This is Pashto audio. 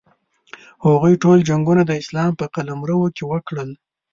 هغوی ټول جنګونه د اسلام په قلمرو کې وکړل.